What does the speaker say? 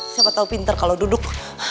siapa tau pinter kalo duduk